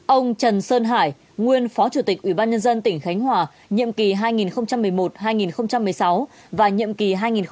ông trần sơn hải nguyên phó chủ tịch ủy ban nhân dân tỉnh khánh hòa nhiệm kỳ hai nghìn một mươi một hai nghìn một mươi sáu và nhiệm kỳ hai nghìn một mươi sáu hai nghìn hai mươi